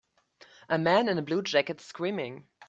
A man in a blue jacket screaming.